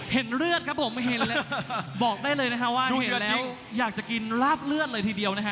เห็นเลือดครับผมเห็นแล้วบอกได้เลยนะคะว่าเห็นแล้วอยากจะกินลาบเลือดเลยทีเดียวนะฮะ